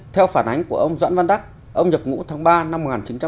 theo phản ánh của ông doãn văn đắc ông nhập ngũ tháng ba năm một nghìn chín trăm bảy mươi